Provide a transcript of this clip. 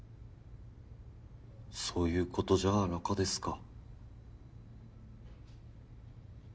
そういうことじゃあなかですか？